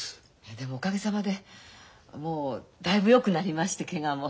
でもおかげさまでもうだいぶよくなりましてケガも。